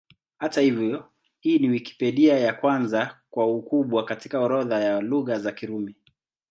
Hata hivyo, ni Wikipedia ya kwanza kwa ukubwa katika orodha ya Lugha za Kirumi.